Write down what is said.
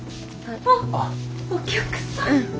あっお客さん？